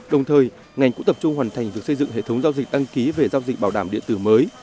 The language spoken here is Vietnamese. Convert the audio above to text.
đồng thời ngành cũng tập trung hoàn thành việc xây dựng hệ thống giao dịch đăng ký về giao dịch bảo đảm điện tử mới